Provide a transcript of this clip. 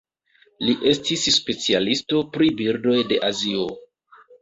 Li estis specialisto pri birdoj de Azio.